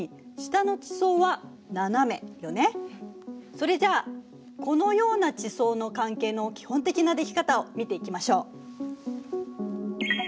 それじゃあこのような地層の関係の基本的なでき方を見ていきましょう。